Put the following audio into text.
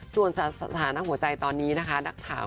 ส่วนสถานหัวใจตอนนี้นะคะ